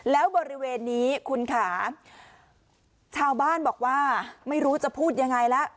แล้วบริเวณนี้คุณค่ะชาวบ้านบอกว่าไม่รู้จะพูดยังไงแล้ว